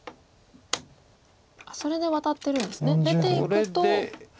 それでワタってるんですね。